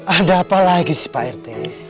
ada apa lagi sih pak rt